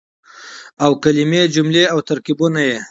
او کلمې ،جملې او ترکيبونه يې